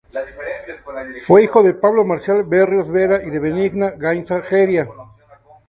Fue hijo de Pablo Marcial Berríos Vera y de Benigna Gaínza Jeria.